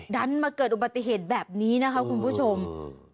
ดันมาเกิดอุบัติเหตุแบบนี้นะคะคุณผู้ชม